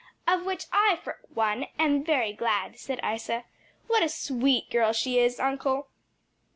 "Of which I for one am very glad," said Isa. "What a sweet girl she is, uncle!"